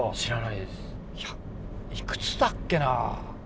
いやいくつだっけな。